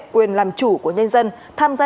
quyền làm chủ của nhân dân tham gia